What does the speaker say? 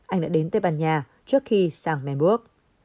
anh đã đến tây ban nha trước khi sang menburg